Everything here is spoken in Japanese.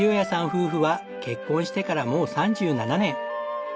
夫婦は結婚してからもう３７年。